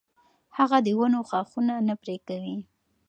هغه د ونو ښاخونه نه پرې کوي.